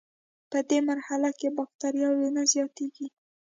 پدې مرحله کې بکټریاوې نه زیاتیږي.